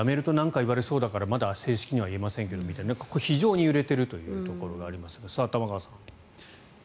でもやめるとなんか言われそうだからまだ正式には言えませんみたいな非常に揺れているところがありますが玉川さん。